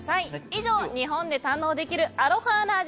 以上、日本で堪能できるアロハな味